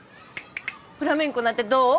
フラメンコなんてどう？